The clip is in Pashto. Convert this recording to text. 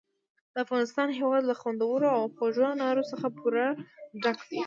د افغانستان هېواد له خوندورو او خوږو انارو څخه پوره ډک دی.